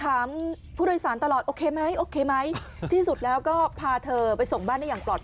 ถามผู้โดยสารตลอดโอเคไหมโอเคไหมที่สุดแล้วก็พาเธอไปส่งบ้านได้อย่างปลอด